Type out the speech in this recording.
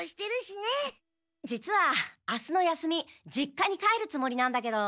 実は明日の休み実家に帰るつもりなんだけど。